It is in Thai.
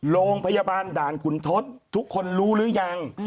โรงพยาบาลด่านขุนทศทุกคนรู้หรือยัง